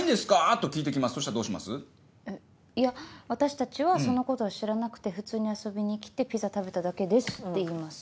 「私たちはそのことを知らなくて普通に遊びに来てピザ食べただけです」って言います。